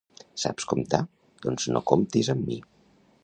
Saps comptar, doncs no comptis amb mi